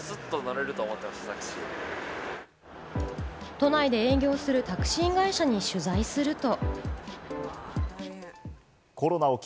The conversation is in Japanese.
都内で営業するタクシー会社を取材すると。